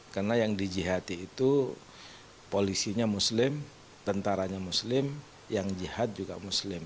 karena yang dijihadi itu polisinya muslim tentaranya muslim yang jihad juga muslim